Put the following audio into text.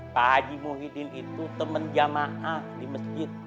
pak haji muhyiddin itu teman jamaah di masjid